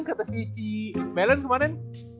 kata si melen kemaren